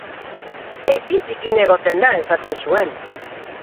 Beti zikin egoten da!, esaten zuen.